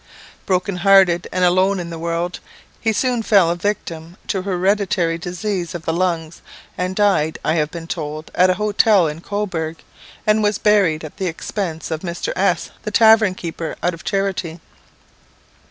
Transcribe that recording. "Broken hearted and alone in the world, he soon fell a victim to hereditary disease of the lungs, and died, I have been told, at an hotel in Cobourg; and was buried at the expense of Mr. S , the tavern keeper, out of charity."